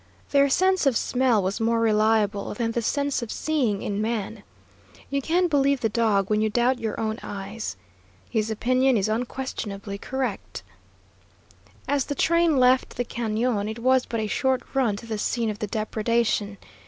Their sense of smell was more reliable than the sense of seeing in man. You can believe the dog when you doubt your own eyes. His opinion is unquestionably correct. As the train left the cañon it was but a short run to the scene of the depredation.